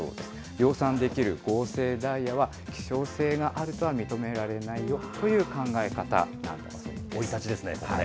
量産できる合成ダイヤは、希少性があるとは認められないよという生い立ちですね、これね。